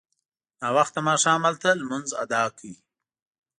ناوخته ماښام هلته لمونځ اداء کړ.